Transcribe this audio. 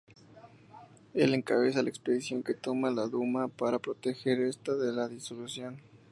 Él encabeza la expedición que toma la Duma para proteger esta de la disolución.